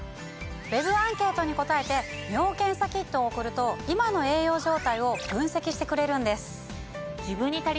ＷＥＢアンケートに答えて尿検査キットを送ると今の栄養状態を分析してくれるんです。